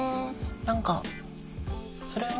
何かそれも。